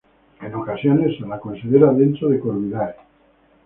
En ocasiones se la considera dentro de Corvidae.